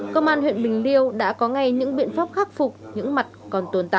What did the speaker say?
công an huyện bình liêu đã có ngay những biện pháp khác